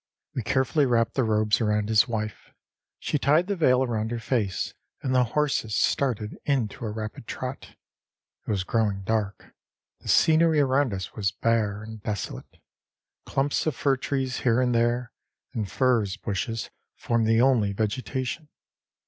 â We carefully wrapped the robes around his wife. She tied the veil around her face, and the horses started into a rapid trot. It was growing dark; the scenery around us was bare and desolate; clumps of fir trees here and there and furze bushes formed the only vegetation.